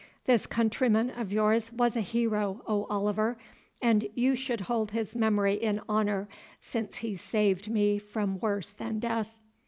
This countryman of yours was a hero, O Oliver, and you should hold his memory in honour, since he saved me from worse than death."